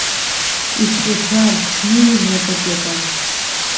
Ишәҟәыҭра рчны изнапык иакын.